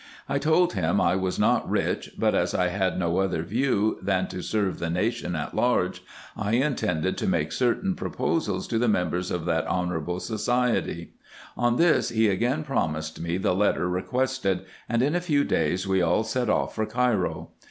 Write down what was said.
I told him, I was not rich ; but as I had no other view, than to serve the nation at large, I intended to make certain pro posals to the members of that honourable society. On this he again promised me the letter requested, and in a few days we all set off for Cairo.